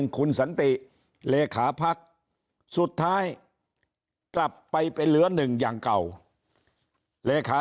คุณสัณธิเลขาพักษณ์สุดท้ายกลับไปเป็นเหลือ๑อย่างเก่า